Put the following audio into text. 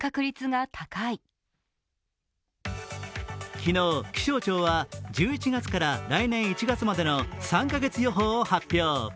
昨日、気象庁は１１月から来年１月までの３カ月予報を発表。